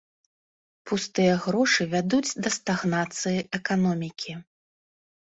Пустыя грошы вядуць да стагнацыі эканомікі.